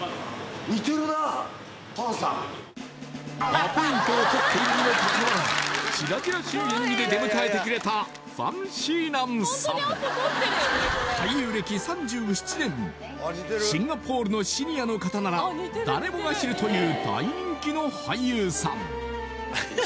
アポイントをとっているにもかかわらず白々しい演技で出迎えてくれたシンガポールのシニアの方なら誰もが知るという大人気の俳優さん